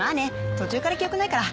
途中から記憶ないから。